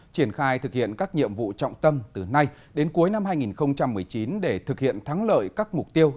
triển khai thực hiện các nhiệm vụ trọng tâm từ nay đến cuối năm hai nghìn một mươi chín để thực hiện thắng lợi các mục tiêu